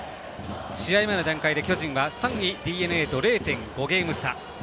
試合前の段階で巨人は３位、ＤｅＮＡと０．５ゲーム差。